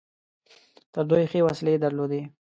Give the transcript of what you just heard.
تر دوی ښې وسلې درلودلې.